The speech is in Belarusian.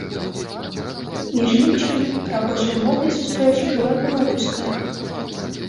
Між іншым, рабочай мовай сустрэчы была беларуская.